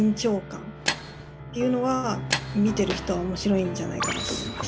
見てる人は面白いんじゃないかなと思います。